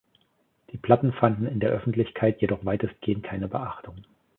Die Platten fanden in der Öffentlichkeit jedoch weitestgehend keine Beachtung.